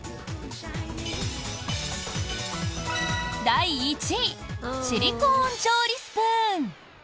第１位シリコーン調理スプーン。